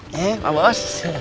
ya pak bos